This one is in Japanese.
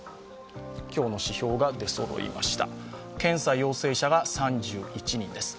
今日の指標が出そろいました。